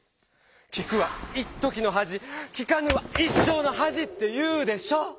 「聞くは一時の恥聞かぬは一生の恥」っていうでしょ！